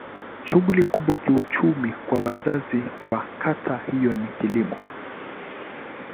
Shughuli kubwa ya kiuchumi kwa wakazi wa kata hiyo ni kilimo.